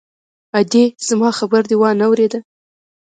_ادې! زما خبره دې وانه ورېده!